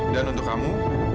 dan untuk kamu